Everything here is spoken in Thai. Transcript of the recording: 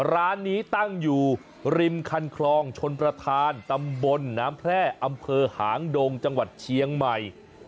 ร้านนี้ตั้งอยู่ริมคันคลองชนประธานตำบลน้ำแพร่อำเภอหางดงจังหวัดเชียงใหม่